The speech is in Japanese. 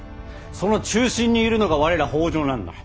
その中心にいるのが我ら北条なんだ。